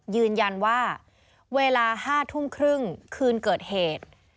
ยืนยันว่าเวลา๕ทุ่มครึ่งคืนเกิดเหตุ